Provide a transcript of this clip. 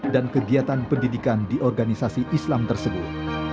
dan kegiatan pendidikan di organisasi islam tersebut